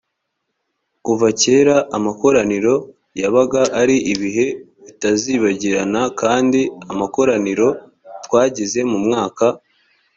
kuva kera amakoraniro yabaga ari ibihe bitazibagirana kandi amakoraniro twagize mu mwaka